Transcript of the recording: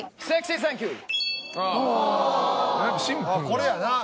これやな。